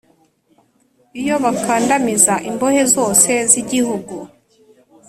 Iyo bakandamiza imbohe zose z’igihugu,